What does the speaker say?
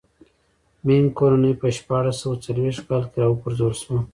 مینګ کورنۍ په شپاړس سوه څلوېښت کاله کې را و پرځول شوه.